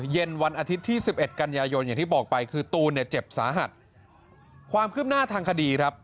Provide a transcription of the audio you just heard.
อย่างที่บอกไปคือตูนเนี่ยเจ็บสาหัสความขึ้นหน้าทางคดีครับ